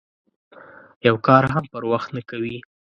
یو کار هم پر وخت نه کوي.